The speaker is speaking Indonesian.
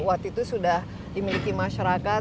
waktu itu sudah dimiliki masyarakat